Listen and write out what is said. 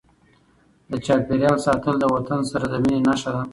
د چاپیریال ساتل د وطن سره د مینې نښه ده.